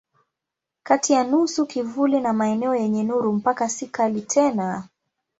Kati ya nusu kivuli na maeneo yenye nuru mpaka si kali tena.